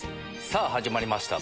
さぁ始まりました